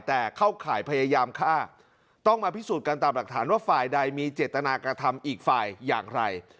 แต่เข้าข่ายพยายามฆ่าต้องมาพิสูจน์กันตามหลักฐานว่าฝ่ายใดมีเจตนากระทำอีกฝ่ายอย่างไร